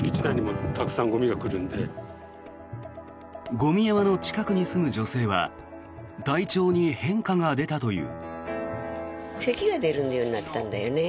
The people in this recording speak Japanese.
ゴミ山の近くに住む女性は体調に変化が出たという。